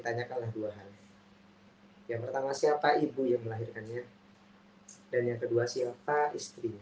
tanyakanlah dua hal yang pertama siapa ibu yang melahirkannya dan yang kedua siapa istrinya